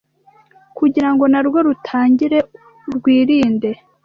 kugira ngo na rwo rutangire rwirinde.